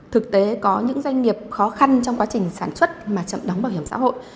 thực tế có những doanh nghiệp khó khăn trong quá trình sản xuất mà chậm đóng bảo hiểm xã hội